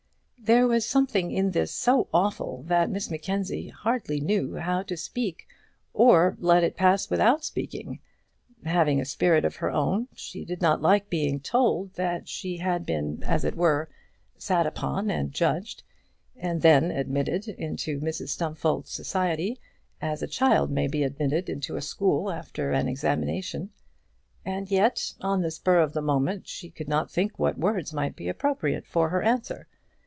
There was something in this so awful that Miss Mackenzie hardly knew how to speak, or let it pass without speaking. Having a spirit of her own she did not like being told that she had been, as it were, sat upon and judged, and then admitted into Mrs Stumfold's society as a child may be admitted into a school after an examination. And yet on the spur of the moment she could not think what words might be appropriate for her answer.